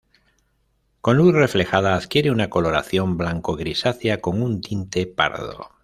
Con luz reflejada adquiere una coloración blanco-grisácea con un tinte pardo.